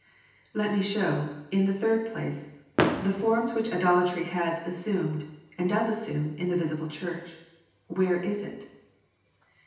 III. Let me show, in the third place, the forms ivhich idolatry has assumed, and does assume, in the visible Church, WHERE is IT?